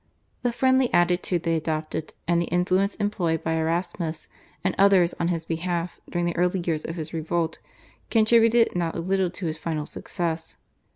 The friendly attitude they adopted, and the influence employed by Erasmus and others on his behalf during the early years of his revolt contributed not a little to his final success.